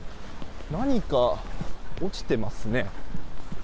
何か落ちていますね。